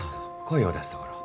声を出すところ。